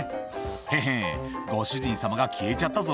「ヘヘンご主人様が消えちゃったぞ」